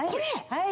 はい。